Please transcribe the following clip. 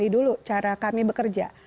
jadi dulu cara kami bekerja